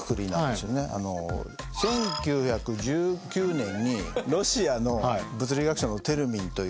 １９１９年にロシアの物理学者のテルミンという人が発明して。